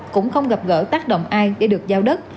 cũng không gặp gỡ tác động ai để được giao đất